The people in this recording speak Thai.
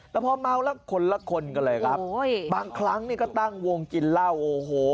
แล้วพอเมาแล้วคนละคนก็เลยครับบางครั้งก็ตั้งวงจิลเล่าโอ้โห